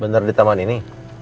bener di taman ini